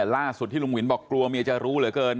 ล่าสุดที่ลุงวินบอกกลัวเมียจะรู้เหลือเกิน